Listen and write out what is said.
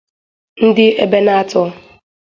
ndị Ebenator